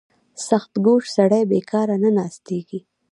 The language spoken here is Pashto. • سختکوش سړی بېکاره نه ناستېږي.